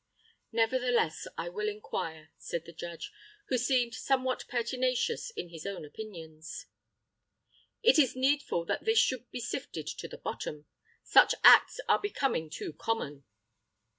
"Nevertheless, I will inquire," said the judge, who seemed somewhat pertinacious in his own opinions. "It is needful that this should be sifted to the bottom. Such acts are becoming too common."